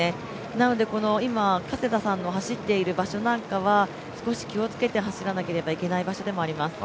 なので今、加世田さんの走っている場所なんかは少し気をつけて走らなければいけない場所でもあります。